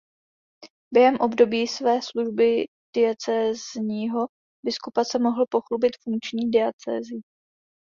Během období své služby diecézního biskupa se mohl pochlubit funkční diecézí.